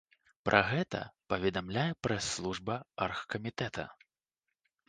Пра гэта паведамляе прэс-служба аргкамітэта.